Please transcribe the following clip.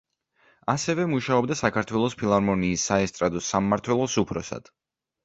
ასევე მუშაობდა საქართველოს ფილარმონიის საესტრადო სამმართველოს უფროსად.